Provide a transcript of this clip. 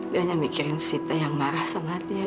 dia hanya mikirin sita yang marah sama dia